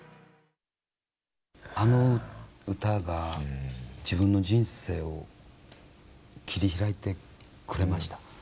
あの歌が、自分の人生を切り開いてくれました。